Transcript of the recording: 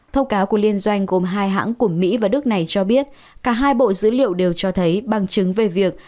thông cáo của liên doanh gồm hai hãng của mỹ và đức này cho biết cả hai bộ dữ liệu đều cho thấy bằng chứng về việc